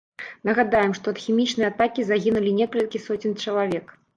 Нагадаем, што ад хімічнай атакі загінулі некалькі соцень чалавек.